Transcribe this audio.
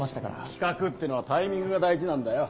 企画っていうのはタイミングが大事なんだよ。